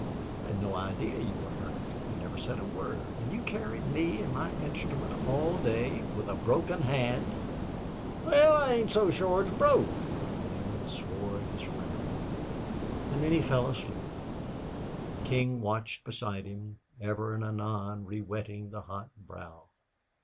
I had no idea you were hurt. You never said a word. And you carried me and my instrument all day with a broken hand!" "Wal, I ain't so shore it's broke." Neale swore at his friend and then he fell asleep. King watched beside him, ever and anon rewetting the hot brow.